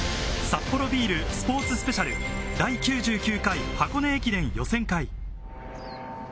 サッポロビールスポーツスペシャル第９９回箱根駅伝予選会。